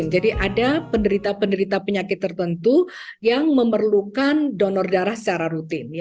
jadi ada penderita penderita penyakit tertentu yang memerlukan donor darah secara rutin